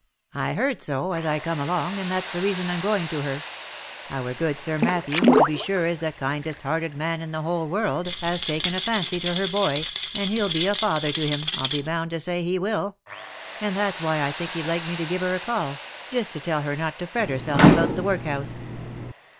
" I heard so, as I come along, and that's the reason I'm going to her. Our good Sir Matthew, who to be sure is the kindest hearted OF MICHAEL ARMSTRONG. 37 man in the whole world, has taken a fancy to her boy, and he'll be a father to him, I'll be bound to say he will ; and that's why 1 think he'd like me to give her a call, just to tell her not to fret herself about the workhouse.